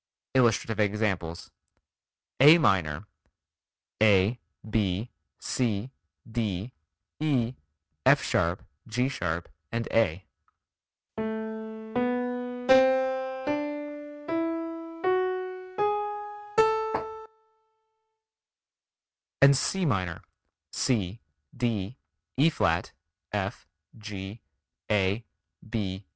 Illustrative examples. A minor: a, b, c, d, e, f sharp, g sharp, a; C minor: c, d, e flat, f, g, a, b, c.